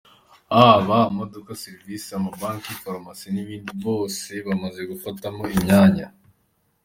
Haba amaduka, serivisi, amabanki, Farumasi n’ibindi, bose bamaze gufatamo imyanya.